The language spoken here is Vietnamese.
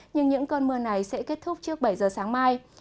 nhưng những cơn mưa này sẽ kết thúc trước bảy giờ sáng mai